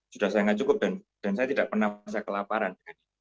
sudah sangat cukup dan saya tidak pernah merasa kelaparan